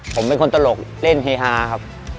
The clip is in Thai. ผมเป็นคนตลกเล่นเฮฮาครับ